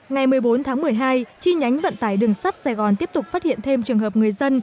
ngày một mươi bốn tháng một mươi hai chi nhánh vận tải đường sắt sài gòn tiếp tục phát hiện thêm trường hợp người dân